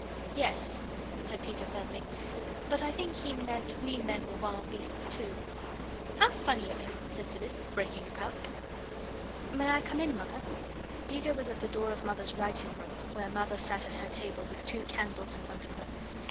"Yes," said Peter, firmly, "but I think he meant we men were wild beasts, too." "How funny of him!" said Phyllis, breaking a cup. "May I come in, Mother?" Peter was at the door of Mother's writing room, where Mother sat at her table with two candles in front of her.